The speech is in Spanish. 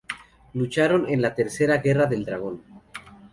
Lucharon en la "Tercera Guerra del Dragón".